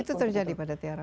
itu terjadi pada tiara